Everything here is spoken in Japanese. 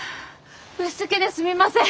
ぶしつけですみません！